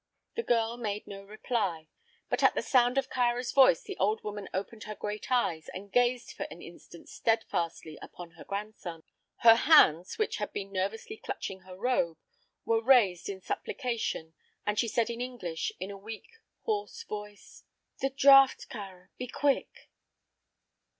The girl made no reply, but at the sound of Kāra's voice the old woman opened her great eyes and gazed for an instant steadfastly upon her grandson. Her hands, which had been nervously clutching her robe, were raised in supplication, and she said in English, in a weak, hoarse voice: "The draught, Kāra! Be quick!"